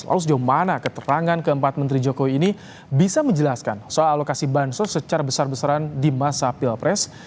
lalu sejauh mana keterangan keempat menteri jokowi ini bisa menjelaskan soal alokasi bansos secara besar besaran di masa pilpres